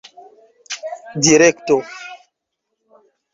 direkto